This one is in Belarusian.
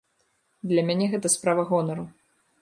Для мяне гэта справа гонару.